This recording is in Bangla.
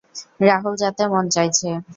রাহুল যাতে মন চাইছে?